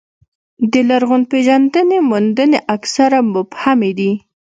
د لرغونپېژندنې موندنې اکثره مبهمې دي.